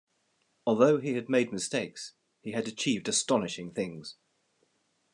Although he had made mistakes, he had achieved astonishing things.